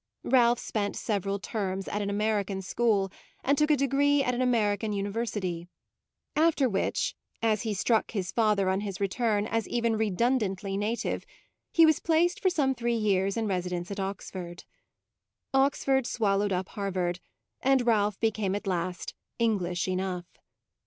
Ralph spent several terms at an American school and took a degree at an American university, after which, as he struck his father on his return as even redundantly native, he was placed for some three years in residence at Oxford. Oxford swallowed up Harvard, and Ralph became at last English enough.